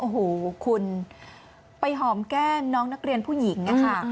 โอ้โหคุณไปหอมแก้มน้องนักเรียนผู้หญิงนะคะ